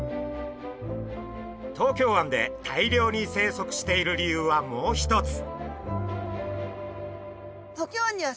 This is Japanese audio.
東京湾で大量に生息している理由はもう一つ。